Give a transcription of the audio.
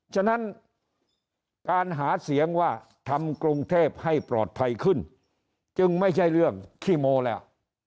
ฉะนั้นการหาเสียงว่าทำกรุงเทพให้ปลอดภัยขึ้นจึงไม่ใช่เรื่องขี้โมแล้ว